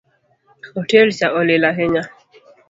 Otel cha olil ahinya